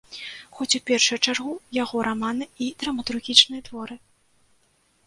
Хоць у першую чаргу яго раманы і драматургічныя творы.